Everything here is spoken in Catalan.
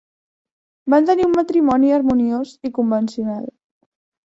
Van tenir un matrimoni harmoniós i convencional.